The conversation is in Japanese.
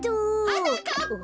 はなかっぱ！